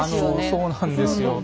そうなんですよ。